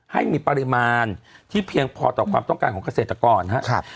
ให้มีปริมาณที่เพียงพอต่อความต้องการของเกษตรกรครับ